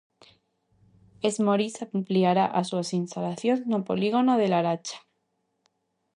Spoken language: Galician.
Esmorís ampliará as súas instalacións no polígono da Laracha.